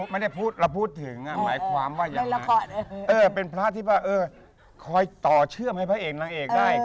มันไม่ใช่กิจของส่งไง